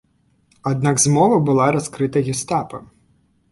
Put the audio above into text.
Аднак змова была раскрыта гестапа.